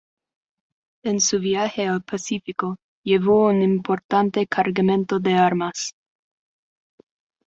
En su viaje al Pacífico, llevó un importante cargamento de armas.